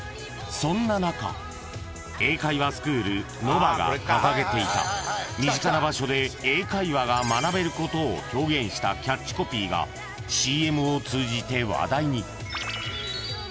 ［そんな中英会話スクールＮＯＶＡが掲げていた身近な場所で英会話が学べることを表現したキャッチコピーがＣＭを通じて話題に］